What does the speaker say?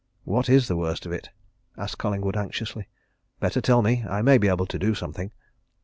"What is the worst of it?" asked Collingwood, anxiously. "Better tell me! I may be able to do something."